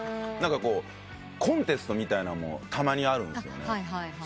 何かコンテストみたいなのもたまにあるんですよね。